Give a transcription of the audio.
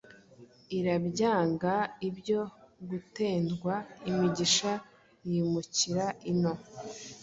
Irabyanga ibyo gutendwa, Imigisha yimukira ino.